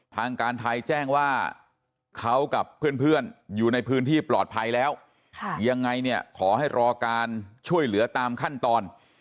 ทางการไทยแจ้งว่าเขากับเพื่อนอยู่ในพื้นที่ปลอดภัยแล้วยังไงเนี่ยขอให้รอการช่วยเหลือตามขั้นตอน